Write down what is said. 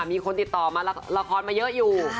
มีคนติดต่อมาละครมาเยอะอยู่